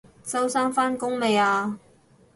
周生返工未啊？